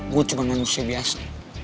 gua cuma manusia biasa